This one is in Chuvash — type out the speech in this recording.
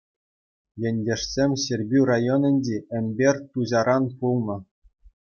Ентешсем Ҫӗрпӳ районӗнчи Ӗмпӗрт Туҫаран пулнӑ.